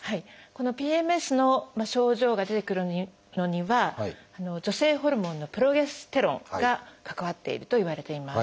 このＰＭＳの症状が出てくるのには女性ホルモンのプロゲステロンが関わっているといわれています。